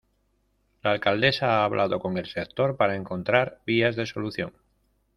La alcaldesa ha hablado con el sector para encontrar vías de solución.